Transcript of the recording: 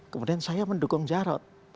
kemudian saya mendukung jarot